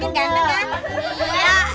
nanti ganteng ya